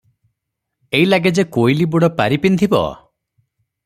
ଏଇଲାଗେ ଯେ କୋଇଲିବୁଡ଼ ପାରି ପିନ୍ଧିବ?